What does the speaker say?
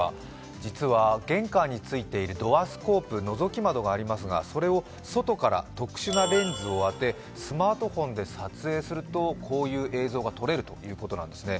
実は玄関についているドアスコープのぞき窓がありますがそれを外から特殊なレンズを当て、スマートフォンで撮影すると、こういう映像が撮れるということなんですね。